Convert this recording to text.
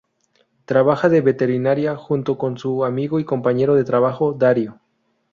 Trabaja de veterinaria junto con su amigo y compañero de trabajo Darío.